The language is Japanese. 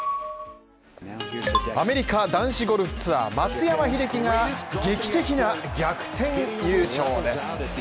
アメリカ男子ゴルフツアー松山英樹が劇的な逆転優勝です